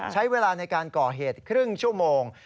ใช้เวลาในการก่อเหตุครึ่งชั่วโมง